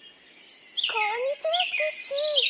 こんにちはスケッチー！